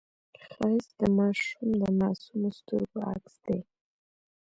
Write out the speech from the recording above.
ښایست د ماشوم د معصومو سترګو عکس دی